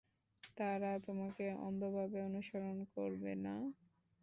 তারা তোমাকে অন্ধভাবে অনুসরণ করবে না।